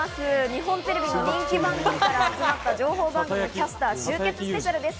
日本テレビの人気番組から集まった情報番組のキャスター集結スペシャルです。